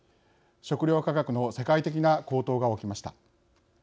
食料価格の世界的な高騰が起きました。